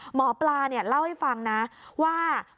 หมอปลาเล่าให้ฟังนะว่า